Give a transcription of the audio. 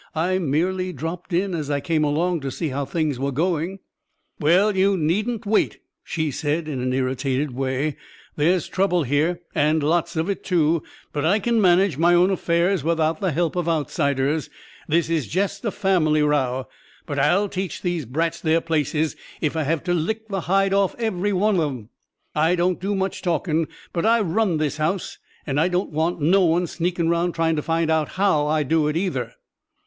'I merely dropped in, as I came along, to see how things were going.' "'Well, you needn't wait,' she said in an irritated way; 'there's trouble here, and lots of it, too, but I kin manage my own affairs without the help of outsiders. This is jest a family row, but I'll teach these brats their places if I hev to lick the hide off every one of them. I don't do much talking, but I run this house, an' I don't want no one sneakin' round tryin' to find out how I do it either.'